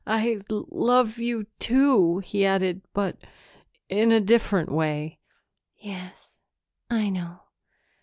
"I love you, too," he added, "but in a different way." "Yes, I know.